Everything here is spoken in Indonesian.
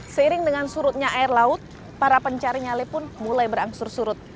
seiring dengan surutnya air laut para pencari nyale pun mulai berangsur surut